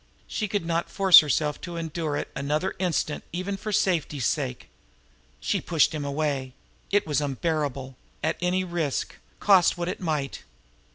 She could not force herself to endure it another instant even for safety's safe. She pushed him away. It was unbearable at any risk, cost what it might.